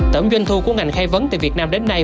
tổng doanh thu của ngành khai vấn từ việt nam đến nay